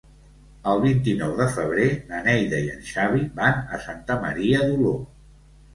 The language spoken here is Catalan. El vint-i-nou de febrer na Neida i en Xavi van a Santa Maria d'Oló.